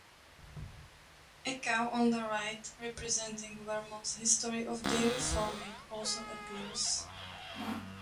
A cow on the right, representing Vermont's history of dairy farming, also appears.